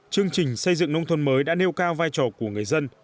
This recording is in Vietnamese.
chương trình xây dựng nông thôn mới đã nêu cao vai trò của người dân